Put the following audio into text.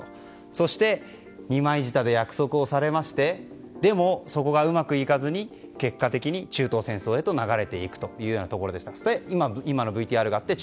そして、二枚舌で約束をされましてそこがうまくいかずに結果的に中東戦争へと流れていくところでそして今のＶＴＲがあって